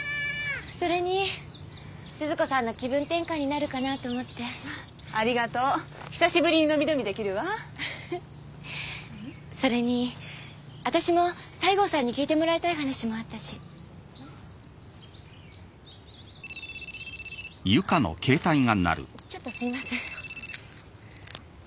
それに鈴子さんの気分転換になるかなと思ってありがとう久しぶりにのびのびできるわそれに私も西郷さんに聞いてもらいたい話もあったし・ちょっとすいません